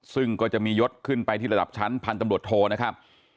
ซึ่งก็จะมียศขึ้นไปที่ระดับชั้นพันธุ์ตำรวจโทนะครับ